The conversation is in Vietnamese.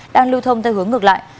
đang lưu thông theo hướng ngược lại